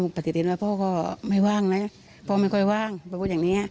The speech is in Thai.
ปฏิทินว่าพ่อก็ไม่ว่างนะพ่อไม่ค่อยว่างไปพูดอย่างนี้